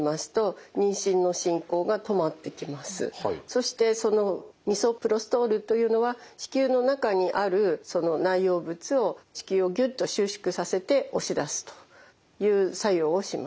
そしてそのミソプロストールというのは子宮の中にあるその内容物を子宮をぎゅっと収縮させて押し出すという作用をします。